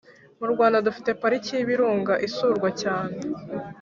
Murwanda dufite parike yibirunga isurwa cyane